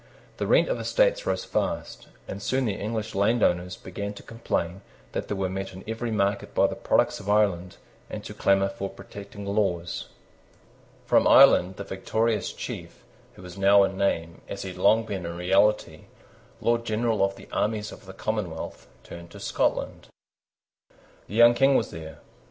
The rent of estates rose fast; and soon the English landowners began to complain that they were met in every market by the products of Ireland, and to clamour for protecting laws. From Ireland the victorious chief, who was now in name, as he had long been in reality, Lord General of the armies of the Commonwealth, turned to Scotland. The Young King was there.